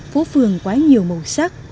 phố phường quá nhiều màu sắc